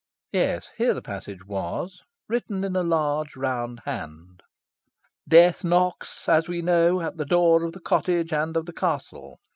Yes, here the passage was, written in a large round hand: "Death knocks, as we know, at the door of the cottage and of the castle.